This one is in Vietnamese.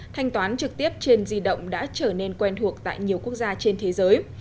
thanh toán trực tiếp trên di động đã trở nên quen thuộc tại nhiều quốc gia trên thế giới